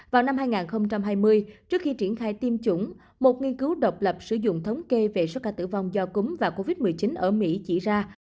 vào năm hai nghìn hai mươi trước khi triển khai tiêm chủng một nghiên cứu độc lập sử dụng thống kê về số ca tử vong do cúm và covid một mươi chín ở mỹ chỉ ra